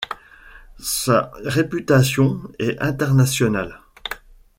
Sa réputation est internationale.